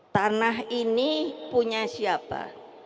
tanah ini punya siapa